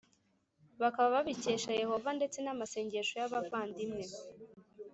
bakaba babikesha Yehova ndetse n amasengesho y abavandimwe